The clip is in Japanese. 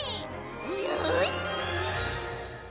よし！